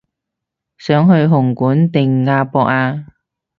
想去紅館定亞博啊